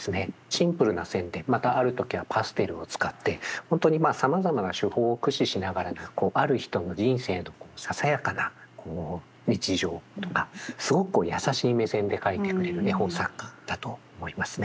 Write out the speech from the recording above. シンプルな線でまたある時はパステルを使って本当にさまざまな手法を駆使しながらある人の人生のささやかな日常とかすごく優しい目線でかいてくれる絵本作家だと思いますね。